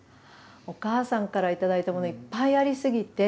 お母さんから頂いたものいっぱいありすぎて。